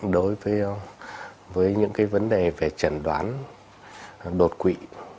đối với những vấn đề về trần đoán đột quỵ